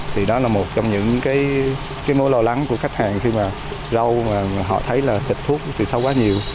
thì đó là một trong những cái mối lo lắng của khách hàng khi mà rau mà họ thấy là xịt thuốc xịt sâu quá nhiều